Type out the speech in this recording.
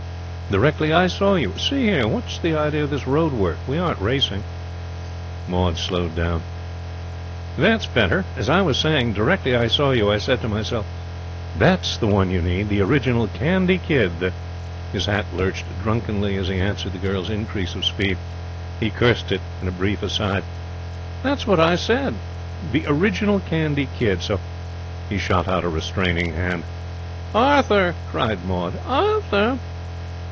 Directly I saw you see here, what's the idea of this road work? We aren't racing ' Maud slowed down. 'That's better. As I was saying, directly I saw you, I said to myself, "That's the one you need. The original candy kid. The "' His hat lurched drunkenly as he answered the girl's increase of speed. He cursed it in a brief aside. 'That's what I said. "The original candy kid." So ' He shot out a restraining hand. 'Arthur!' cried Maud. 'Arthur!'